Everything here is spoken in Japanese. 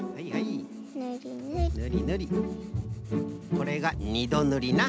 これが２どぬりな。